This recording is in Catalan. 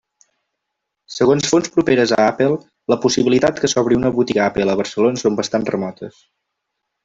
Segons fonts properes a Apple la possibilitat que s'obri una botiga Apple a Barcelona són bastant remotes.